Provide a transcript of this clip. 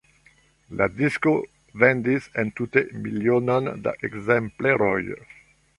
La disko vendis entute milionon da ekzempleroj.